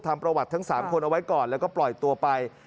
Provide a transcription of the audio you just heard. ทำประวัติทั้ง๓คนเอาไว้ก่อนแล้วก็ปล่อยตัวไป